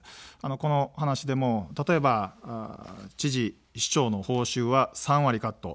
この話でも例えば、知事の報酬は３割カット。